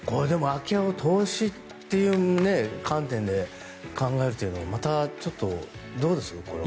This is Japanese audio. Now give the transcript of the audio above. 空き家を投資という観点で考えるのはまたちょっとどうです、これは。